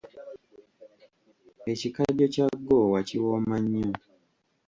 Ekikajjo kya ggoowa kiwooma nnyo.